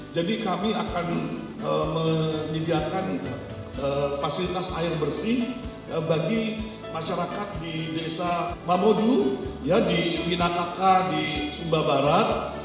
jadi kami akan menyediakan fasilitas air bersih bagi masyarakat di desa mamodu di winakaka di sumba barat